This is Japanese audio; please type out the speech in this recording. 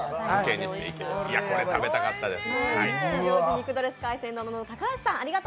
これ食べたかったです。